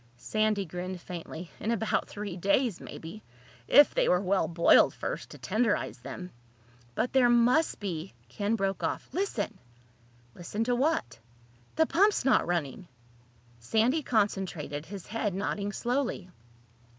Sandy grinned faintly. "In about three days, maybe—if they were well boiled first, to tenderize them." "But there must be—" Ken broke off. "Listen!" "Listen to what?" "The pump's not running!" Sandy concentrated, his head nodding slowly.